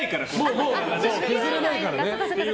もう削れないからね。